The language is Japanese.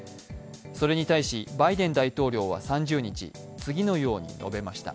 それに対しバイデン大統領は３０日、次のように述べました。